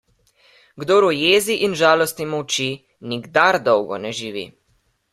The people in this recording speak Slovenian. Kdor v jezi in žalosti molči, nikdar dolgo ne živi.